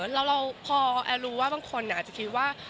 แล้วเราพอรู้ว่าบางคนอาจจะคิดว่า